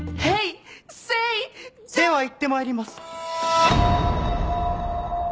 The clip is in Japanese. では行って参ります。